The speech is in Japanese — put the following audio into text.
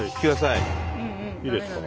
いいですか？